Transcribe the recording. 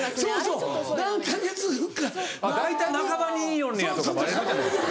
「大体半ばに言いよんのや」とかバレるじゃないですか。